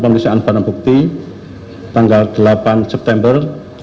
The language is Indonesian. pemeriksaan barang bukti tanggal delapan september